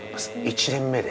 ◆１年目で！？